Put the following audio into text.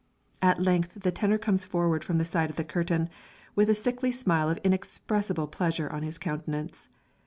At length the tenor comes forward from the side of the curtain, with a sickly smile of inexpressible pleasure on his countenance.